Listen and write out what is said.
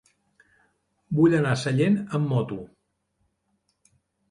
Vull anar a Sallent amb moto.